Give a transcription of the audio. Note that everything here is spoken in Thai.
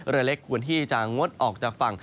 เรือเล็กควรที่จะงดออกจากฝั่ง